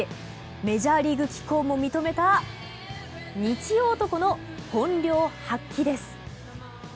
メジャーリーグ機構も認めた日曜男の本領発揮です。